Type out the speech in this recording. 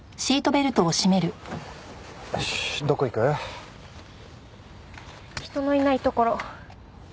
よしどこ行く？人のいない所。